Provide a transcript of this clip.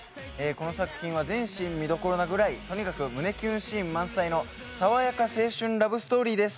この作品は全シーン見どころなぐらいとにかく胸キュンシーン満載の爽やか青春ラブストーリーです。